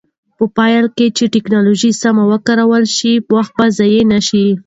په پایله کې چې ټکنالوژي سمه وکارول شي، وخت به ضایع نه شي.